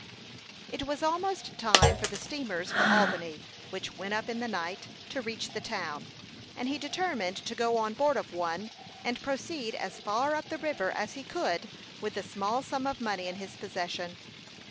It was almost time for the steamers for Albany, which went up in the night, to reach the town, and he determined to go on board of one, and proceed as far up the river as he could with the small sum of money in his possession.